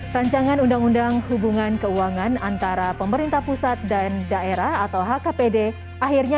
rancangan undang undang hubungan keuangan antara pemerintah pusat dan daerah atau hkpd akhirnya